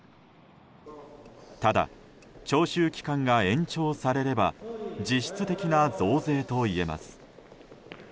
ただ、徴収期間が延長されれば実質的な増税といえます。